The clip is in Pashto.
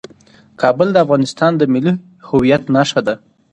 کابل د افغانستان د ملي هویت نښه ده.